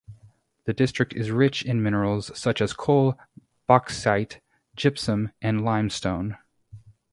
The district is rich in minerals such as coal, bauxite, gypsum and lime-stone.